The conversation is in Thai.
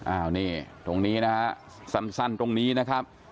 อ้าวนี่ตรงนี้นะฮะสั้นตรงนี้นะครับ